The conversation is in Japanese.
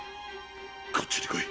こっちに来い。